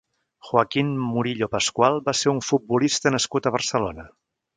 Joaquín Murillo Pascual va ser un futbolista nascut a Barcelona.